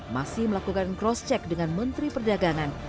masih melakukan cross check dengan menteri perdagangan